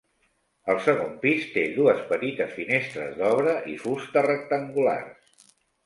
El segon pis té dues petites finestres d'obra i fusta rectangulars.